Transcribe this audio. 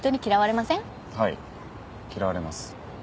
はい。嫌われます。